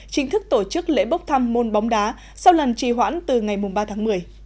chính thức tổ chức lễ bốc thăm môn bóng đá sau lần trì hoãn từ ngày ba tháng một mươi